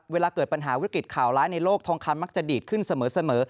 เวลาเกิดปัญหาวิกฤตข่าวร้ายในโลกทองคำมักจะดีดขึ้นเสมอ